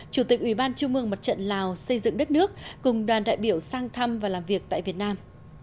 chủ tịch ủy ban trung mương mặt trận lào xây dựng đất nước cùng đoàn đại biểu sang thăm và làm việc tại việt nam